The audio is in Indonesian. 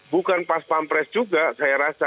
bukan pas pampres juga saya rasa